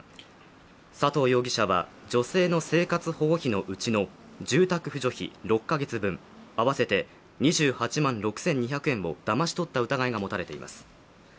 佐藤容疑者は女性の生活保護費のうちの住宅扶助費６か月分合わせて２８万６２００円をだまし取った疑いが持たれています。